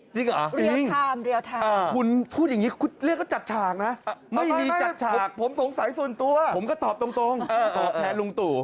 จริงหรอคุณพูดยังงี้ขุดเล่มก็จัดฉากนะไม่มีจัดฉากผมสงสัยส่วนตัวผมก็ตอบตรง